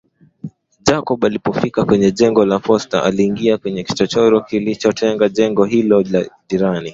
Jacob alipofika kwenye jengo la posta aliingia kwenye kichochoro kilicholitenga jengo hlo jengo jirani